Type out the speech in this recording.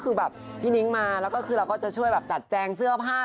คือแบบพี่นิ้งมาแล้วก็คือเราก็จะช่วยแบบจัดแจงเสื้อผ้า